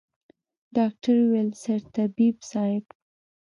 ډاکتر وويل سرطبيب صايب.